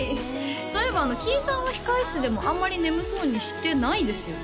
そういえばキイさんは控室でもあんまり眠そうにしてないですよね